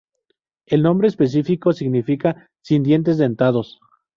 El nombre específico significa "sin dientes dentados".